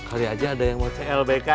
hari aja ada yang mau clbk